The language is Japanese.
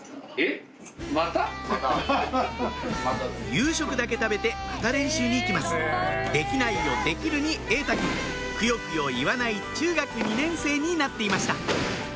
夕食だけ食べてまた練習に行きます「できない」を「できる」に瑛太君クヨクヨ言わない中学２年生になっていました